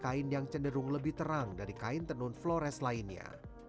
kain yang cenderung lebih terang dari kain tenun flores lainnya